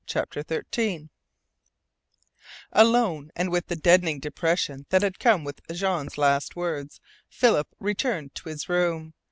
CHAPTER THIRTEEN Alone and with the deadening depression that had come with Jean's last words, Philip returned to his room.